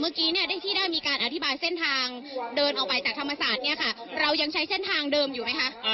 เมื่อกี้เนี่ยได้ที่ได้มีการอธิบายเส้นทางเดินออกไปจากธรรมศาสตร์เนี่ยค่ะเรายังใช้เส้นทางเดิมอยู่ไหมคะ